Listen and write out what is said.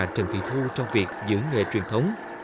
trần thị thu trong việc giữ nghề truyền thống